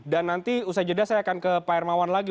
dan nanti usai jeda saya akan ke pak hermawan lagi